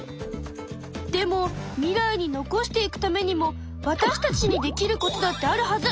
でも未来に残していくためにもわたしたちにできることだってあるはず！